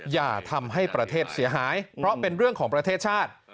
อย่าทำให้ประเทศเสียหายเพราะเป็นเรื่องของประเทศชาติ